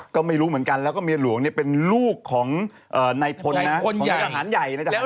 ก็ไม่รู้เหมือนกันแล้วก็เมียหลวงเนี่ยเป็นลูกของในพลนะของในสถานใหญ่